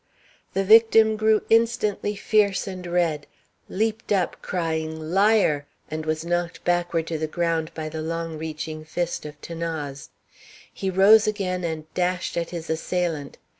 The victim grew instantly fierce and red, leaped up crying "Liar," and was knocked backward to the ground by the long reaching fist of 'Thanase. He rose again and dashed at his assailant.